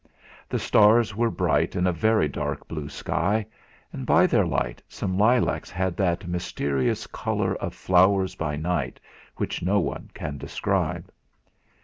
The stars were bright in a very dark blue sky, and by their light some lilacs had that mysterious colour of flowers by night which no one can describe.